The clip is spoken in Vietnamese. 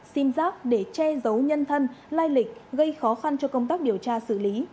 xin giáp để che giấu nhân thân lai lịch gây khó khăn cho công tác điều tra xử lý